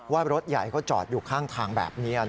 ว่ารถใหญ่เขาจอดอยู่ข้างทางแบบนี้